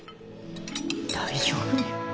大丈夫ね？